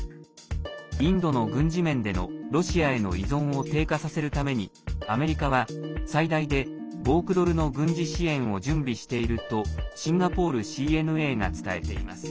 インドの軍事面での、ロシアへの依存を低下させるためにアメリカは最大で５億ドルの軍事支援を準備しているとシンガポールＣＮＡが伝えています。